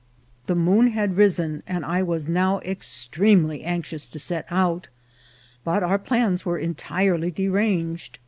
The moon had risen, and I was now extremely anx ious to set out, but our plans were entirely deranged.